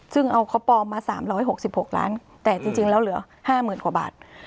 ซึ่งเอาเขาปลอมมา๓๖๖ล้านแต่จริงแล้วเหลือ๕๐๐๐กว่าบาท